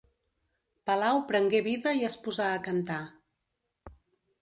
Palau prengué vida i es posà a cantar.